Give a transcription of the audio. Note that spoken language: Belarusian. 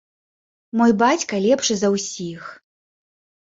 Мой бацька лепшы за ўсіх!